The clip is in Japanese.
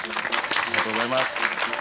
ありがとうございます。